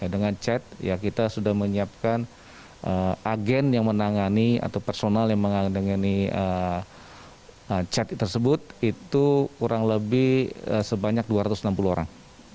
dengan chat ya kita sudah menyiapkan agen yang menangani atau personal yang menangani chat tersebut itu kurang lebih sebanyak dua ratus enam puluh orang